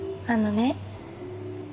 あのね。